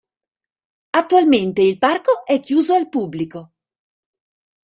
Attualmente il parco è chiuso al pubblico.